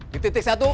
di titik satu